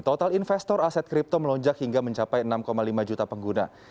total investor aset kripto melonjak hingga mencapai enam lima juta pengguna